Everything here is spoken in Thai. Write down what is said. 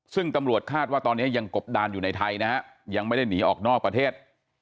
ซึ่งตำรวจคาดว่าตอนนี้ยังกบดานอยู่ในไทยนะฮะยังไม่ได้หนีออกนอกประเทศ